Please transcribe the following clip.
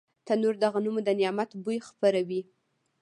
تنور د غنمو د نعمت بوی خپروي